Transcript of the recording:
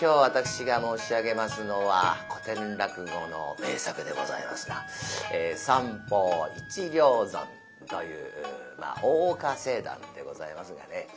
今日私が申し上げますのは古典落語の名作でございますが「三方一両損」という大岡政談でございますがね。